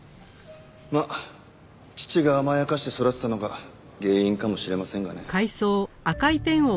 まあ父が甘やかして育てたのが原因かもしれませんがね。